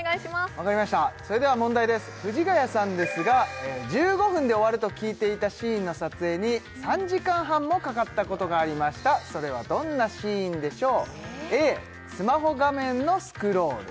分かりましたそれでは問題です藤ヶ谷さんですが１５分で終わると聞いていたシーンの撮影に３時間半もかかったことがありましたそれはどんなシーンでしょう？